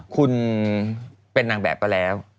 คุณเป็นนางแบบก็แล้ว